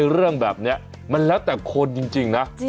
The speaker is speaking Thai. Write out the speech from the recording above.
เรื่องแบบนี้มันแล้วแต่คนจริงนะ